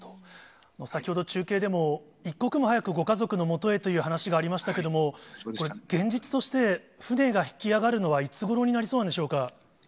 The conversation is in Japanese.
先ほど中継でも、一刻も早くご家族のもとへという話がありましたけれども、現実として、船が引き揚がるのはいつごろになりそうなんでしょうか。